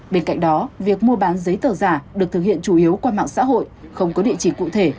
bên cạnh đó việc mua bán giấy tờ giả được thực hiện chủ yếu qua mạng xã hội không có địa chỉ cụ thể